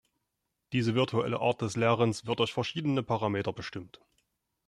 Diese virtuelle Art des Lehrens wird durch verschiedene Parameter bestimmt.